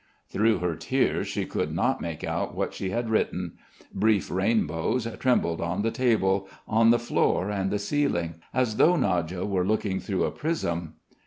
Through her tears she could not make out what she had written. Brief rainbows trembled on the table, on the floor and the ceiling, as though Nadya were looking through a prism.